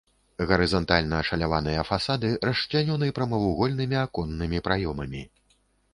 Гарызантальна ашаляваныя фасады расчлянёны прамавугольнымі аконнымі праёмамі.